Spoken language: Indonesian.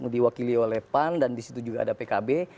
diwakili oleh pan dan di situ juga ada pkb